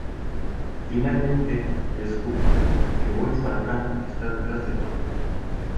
Finalmente descubre, que Boris Balkan está detrás de todo.